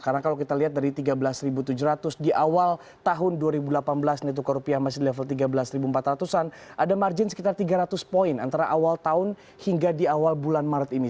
karena kalau kita lihat dari tiga belas tujuh ratus di awal tahun dua ribu delapan belas nilai tukar rupiah masih di level tiga belas empat ratus an ada margin sekitar tiga ratus poin antara awal tahun hingga di awal bulan maret ini